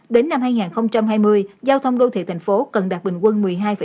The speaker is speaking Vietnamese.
đến năm hai nghìn hai mươi giao thông đô thị thành phố cần đạt bình quân một mươi hai